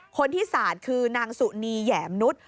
คนที่สาดคือนางสุนีแหย่มนุษย์